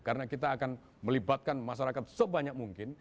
karena kita akan melibatkan masyarakat sebanyak mungkin